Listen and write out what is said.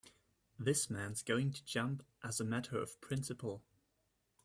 This man's going to jump as a matter of principle.